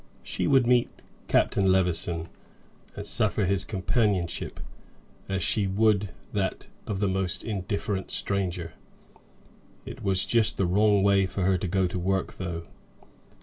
She would meet Captain Levison, and suffer his companionship, as she would that of the most indifferent stranger. It was just the wrong way for her to go to work, though.